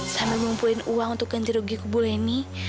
sambil mengumpulin uang untuk ganti rugi kubu lenny